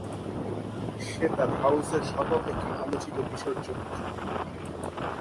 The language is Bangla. সে তার হাউসের সর্বাপেক্ষা আলোচিত কিশোর চরিত্র।